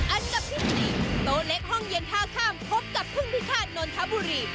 อันดับที่๔โต๊ะเล็กห้องเย็นท่าข้ามพบกับพึ่งพิฆาตนนทบุรี